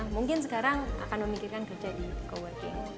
mungkin sekarang akan memikirkan kerja di co working